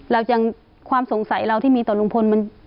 แล้วยังความสงสัยเราที่มีต่อลุงพล